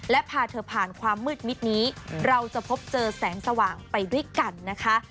และพาเธอผ่านความมืดมิดนี้เราจะพบเจอแสงสว่างไปด้วยกันนะคะ